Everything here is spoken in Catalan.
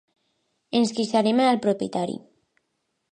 Ens queixarem al propietari!